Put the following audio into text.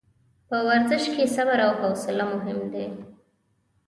په ورزش کې صبر او حوصله مهم دي.